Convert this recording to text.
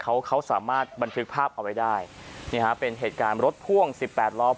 เขาเขาสามารถบันทึกภาพเอาไว้ได้นี่ฮะเป็นเหตุการณ์รถพ่วงสิบแปดล้อ